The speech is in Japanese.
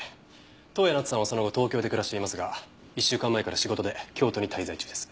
登矢奈津さんはその後東京で暮らしていますが１週間前から仕事で京都に滞在中です。